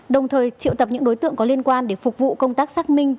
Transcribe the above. đồng thời triệu tập những đối tượng có liên quan để phục vụ công tác xác minh